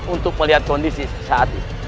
untuk melihat kondisi saat ini